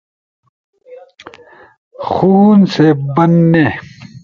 خون سے بننے